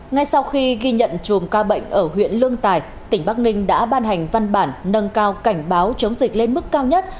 ngay sau khi ghi nhận chùm ca bệnh ở huyện lương tài tỉnh bắc ninh đã ban hành văn bản nâng cao cảnh báo chống dịch lên mức cao nhất